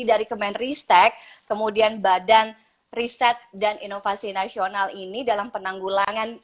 dari kemenristek kemudian badan riset dan inovasi nasional ini dalam penanggulangan